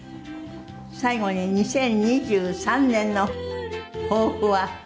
最後に２０２３年の抱負は？